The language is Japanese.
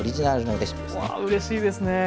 わうれしいですね。